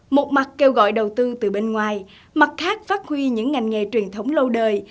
một mặt kêu gọi đầu tư từ bên ngoài mặt khác phát huy những ngành nghề truyền thống lâu đời